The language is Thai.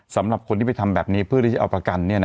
สำหรับคนที่ไปต้องทำแบบนี้เพื่อได้เอาประกันเนี่ยนะฮะ